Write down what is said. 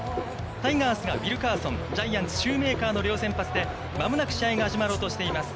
タイガースがウィルカーソン、ジャイアンツ、シューメーカーの両先発で間もなく試合が始まろうとしています